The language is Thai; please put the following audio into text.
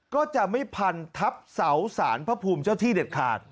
ก็จะไม่พันทับเสาสารพระภูมิเจ้าที่เด็ดขาด